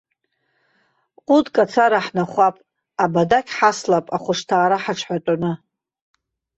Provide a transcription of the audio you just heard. Ҟәыдк ацара ҳнахәап, абадақь ҳаслап ахәышҭаара ҳаҽҳәатәаны.